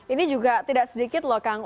ini juga tidak sedikit loh kang